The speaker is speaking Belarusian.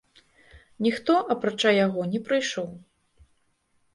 Ніхто, апрача яго, не прыйшоў.